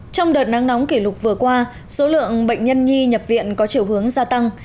trong đợt nắng nóng kỷ lục vừa qua số lượng bệnh nhân nhi nhập viện có chiều hướng gia tăng